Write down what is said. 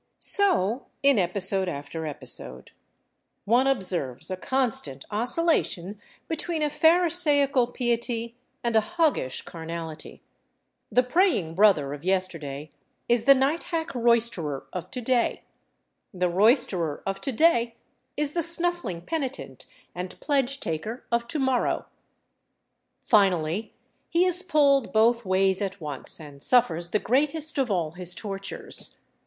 So in episode after episode. One observes a constant oscillation between a pharisaical piety and a hoggish carnality. The praying brother of yesterday is the night hack roisterer of to day; the roisterer of to day is the snuffling penitent and pledge taker of to morrow. Finally, he is pulled both ways at once and suffers the greatest of all his tortures.